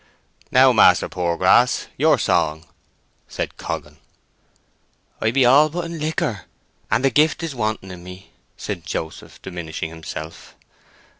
"Now, Master Poorgrass, your song!" said Coggan. "I be all but in liquor, and the gift is wanting in me," said Joseph, diminishing himself.